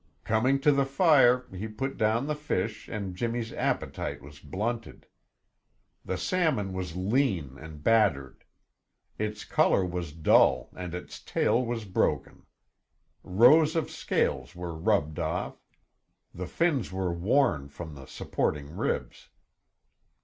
Coming to the fire, he put down the fish and Jimmy's appetite was blunted. The salmon was lean and battered. Its color was dull and its tail was broken. Rows of scales were rubbed off; the fins were worn from the supporting ribs.